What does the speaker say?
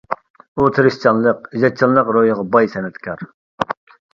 ئۇ تىرىشچانلىق، ئىجادچانلىق روھىغا باي سەنئەتكار.